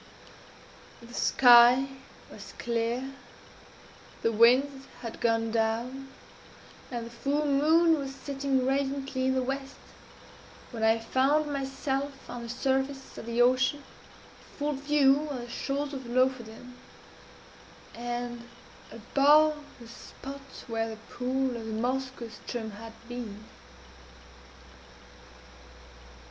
The sky was clear, the winds had gone down, and the full moon was setting radiantly in the west, when I found myself on the surface of the ocean, in full view of the shores of Lofoden, and above the spot where the pool of the Moskoe ström _had been.